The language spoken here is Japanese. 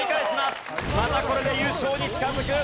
またこれで優勝に近づく。